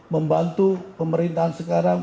membantu pemerintahan sekarang